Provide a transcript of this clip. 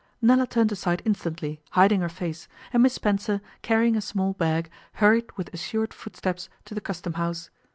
Nella turned aside instantly, hiding her face, and Miss Spencer, carrying a small bag, hurried with assured footsteps to the Custom House.